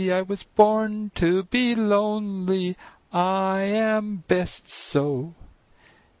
I was born to be lonely, I am best so!"